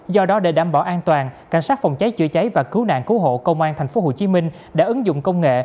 do đó để đảm bảo an toàn cảnh sát phòng cháy chữa cháy và cứu nạn cứu hộ công an tp hcm đã ứng dụng công nghệ